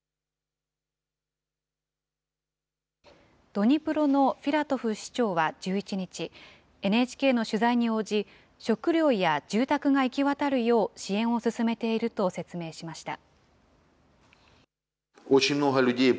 ドニプロのフィラトフ市長は１１日、ＮＨＫの取材に応じ、食料や住宅が行き渡るよう、支援を進めていると説明しました。